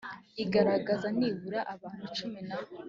igaragaza nibura abantu cumi na